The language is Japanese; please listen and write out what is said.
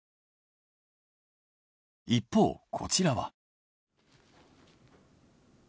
一方こちらは。